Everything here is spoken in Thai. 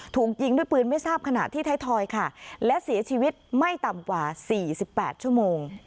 ถูกยิงด้วยปืนไม่ทราบขณะที่ไทยทอยค่ะและเสียชีวิตไม่ต่ำกว่าสี่สิบแปดชั่วโมง